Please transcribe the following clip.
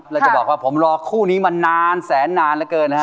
แล้วจะบอกว่าผมรอคู่นี้มานานแสนนานเหลือเกินนะฮะ